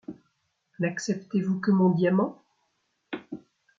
N’acceptez-vous que mon diamant ?